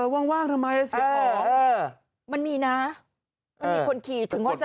ว่างทำไมเสียงของมันมีนะมันมีคนขี่ถึงว่าจะ